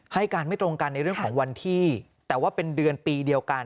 ให้การไม่ตรงกันในเรื่องของวันที่แต่ว่าเป็นเดือนปีเดียวกัน